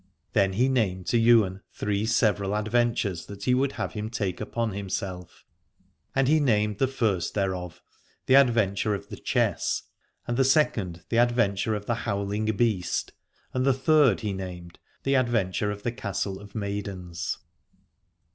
Then he named to Ywain three several adventures, that he would have him take upon himself: and he named the first thereof the adventure of the Chess, and the second the adventure of the Howling Beast, and the third he named the adventure of the Castle of Maidens.